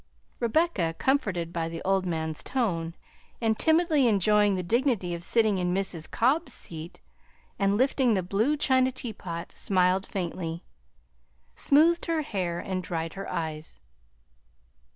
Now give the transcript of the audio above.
Rebecca, comforted by the old man's tone, and timidly enjoying the dignity of sitting in Mrs. Cobb's seat and lifting the blue china teapot, smiled faintly, smoothed her hair, and dried her eyes.